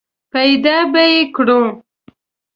پیدا به یې کړو !